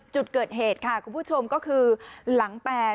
จุดเกิดเหตุค่ะคุณผู้ชมก็คือหลังแปร